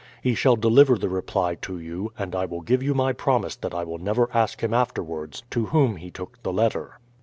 He shall deliver the reply to you, and I will give you my promise that I will never ask him afterwards to whom he took the letter."